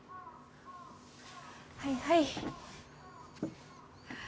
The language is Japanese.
はいはい。